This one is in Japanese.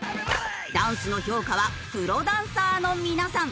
ダンスの評価はプロダンサーの皆さん。